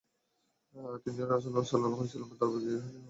তিনজনই রাসূল সাল্লাল্লাহু আলাইহি ওয়াসাল্লাম-এর দরবারে গিয়ে হাজির হন।